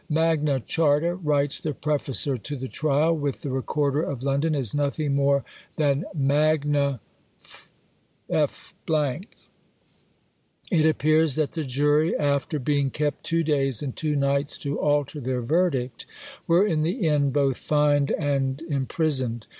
"Magna Charta," writes the prefacer to the trial, "with the recorder of London, is nothing more than Magna F !" It appears that the jury, after being kept two days and two nights to alter their verdict, were in the end both fined and imprisoned.